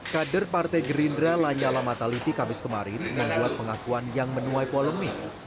kader partai gerindra lanyala mataliti kamis kemarin membuat pengakuan yang menuai polemik